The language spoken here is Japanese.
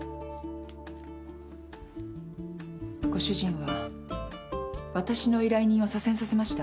ご主人はわたしの依頼人を左遷させました。